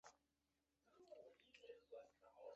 母常氏。